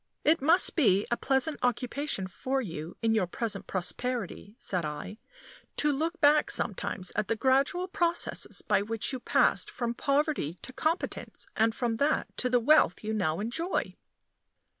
"It must be a pleasant occupation for you in your present prosperity," said I, "to look back sometimes at the gradual processes by which you passed from poverty to competence, and from that to the wealth you now enjoy."